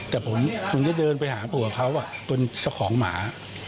แต่ผมยังได้เดินไปหาผัวเค้าเป็นชะของหมา